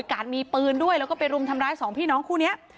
การ์ดมีปืนด้วยแล้วก็ไปรุมทำร้ายสองพี่น้องคู่นี้